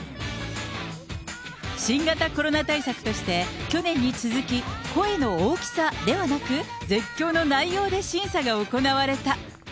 新型コロナ対策として、去年に続き声の大きさではなく、絶叫の内容で審査が行われた。